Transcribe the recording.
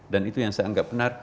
dan itu yang saya anggap benar